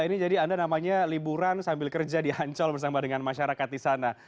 ini jadi anda namanya liburan sambil kerja di ancol bersama dengan masyarakat di sana